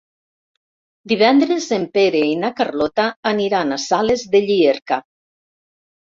Divendres en Pere i na Carlota aniran a Sales de Llierca.